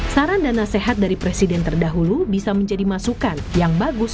saran dan nasihat dari presiden terdahulu bisa menjadi masukan yang bagus